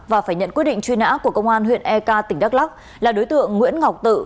và phải nhận quyết định truy nã của công an huyện ek tỉnh đắk lắc là đối tượng nguyễn ngọc tự